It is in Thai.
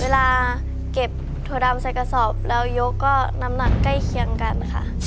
เวลาเก็บถั่วดำใส่กระสอบแล้วยกก็น้ำหนักใกล้เคียงกันค่ะ